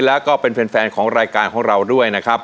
แล้วก็เป็นแฟนของรายการของเราด้วยนะครับ